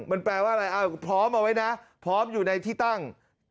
มันแปลว่าอะไรพร้อมเอาไว้นะพร้อมอยู่ในที่ตั้ง